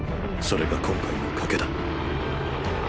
それが今回の賭けだ。